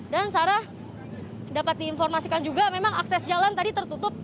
dan sarah dapat diinformasikan juga memang akses jalan tadi tertutup